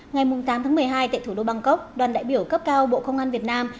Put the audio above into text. ngày tám tháng một mươi hai tại thủ đô bangkok đoàn đại biểu cấp cao bộ công an việt nam